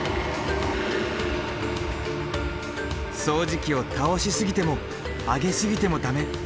掃除機を倒しすぎても上げすぎても駄目。